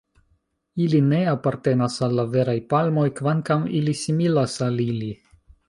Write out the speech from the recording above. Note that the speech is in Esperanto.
Ili ne apartenas al la veraj palmoj, kvankam ili similas al ili.